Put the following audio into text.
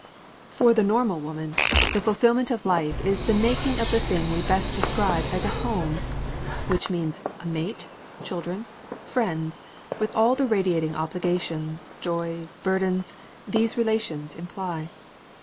For the normal woman the fulfillment of life is the making of the thing we best describe as a home which means a mate, children, friends, with all the radiating obligations, joys, burdens, these relations imply.